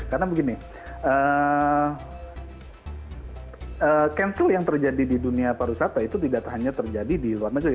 karena begini cancel yang terjadi di dunia pariwisata itu tidak hanya terjadi di luar negeri